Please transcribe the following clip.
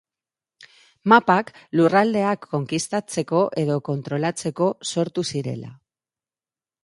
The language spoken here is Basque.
Mapak lurraldeak konkistatzeko edo kontrolatzeko sortu zirela.